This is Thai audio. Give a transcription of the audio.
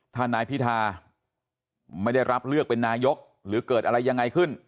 ถ้านายพิธาไม่ได้รับเลือกเป็นนายกหรือเกิดอะไรยังไงขึ้น